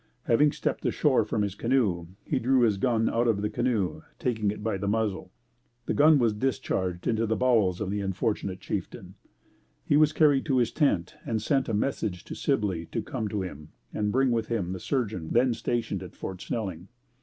Having stepped ashore from his canoe, he drew his gun out from the canoe, taking it by the muzzle. The gun was discharged into the bowels of the unfortunate chieftain. He was carried to his tent and sent a message to Sibley to come to him and bring with him the surgeon then stationed at Fort Snelling.